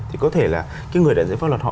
thì có thể là cái người đại diện pháp luật họ